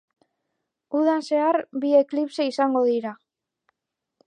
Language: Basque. Udan zehar, bi eklipse izango dira.